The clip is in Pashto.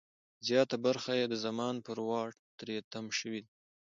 زیاته برخه یې د زمان پر واټ تری تم شوې ده.